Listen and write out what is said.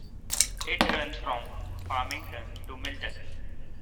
It runs from Farmington to Milton.